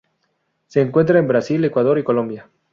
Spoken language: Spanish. Se encuentra en Brasil, Ecuador y Colombia.